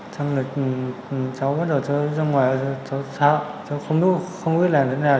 xong rồi cháu bắt đầu ra ngoài cháu sợ cháu không biết làm thế nào